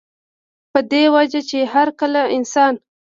پۀ دې وجه چې هر کله انسان